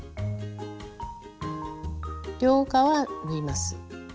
両側縫います。